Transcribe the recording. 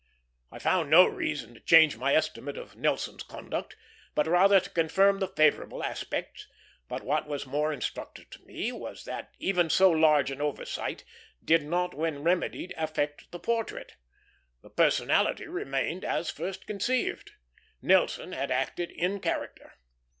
I found no reason to change my estimate of Nelson's conduct, but rather to confirm the favorable aspects; but what was more instructive to me was that even so large an oversight did not when remedied affect the portrait. The personality remained as first conceived; Nelson had acted in character.